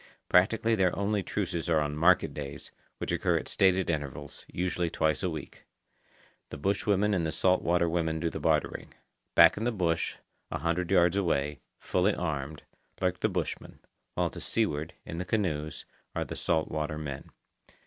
Practically their only truces are on market days, which occur at stated intervals, usually twice a week. The bushwomen and the salt water women do the bartering. Back in the bush, a hundred yards away, fully armed, lurk the bushmen, while to seaward, in the canoes, are the salt water men.